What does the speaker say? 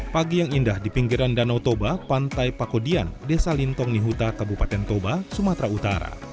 pagi yang indah di pinggiran danau toba pantai pakudian desa lintong nihuta kabupaten toba sumatera utara